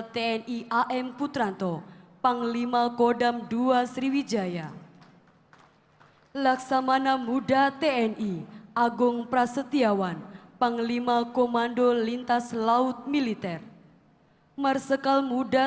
terima kasih atas perkenan dan tamu undangan yang berbahagia